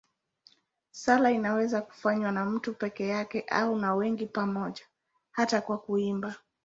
Sala inaweza kufanywa na mtu peke yake au na wengi pamoja, hata kwa kuimba.